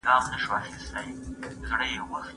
هغه د خپلو دښمنانو حقونو ته هم پاملرنه کوله.